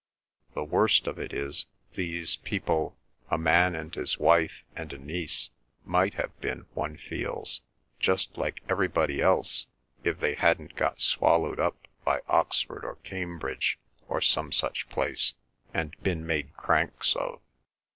The worst of it is, these people—a man and his wife and a niece—might have been, one feels, just like everybody else, if they hadn't got swallowed up by Oxford or Cambridge or some such place, and been made cranks of.